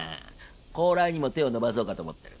高麗にも手を伸ばそうかと思ってる。